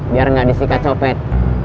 biar nggak disikat copet